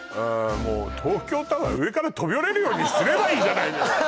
もう東京タワー上から飛び降りれるようにすればいいじゃないのよ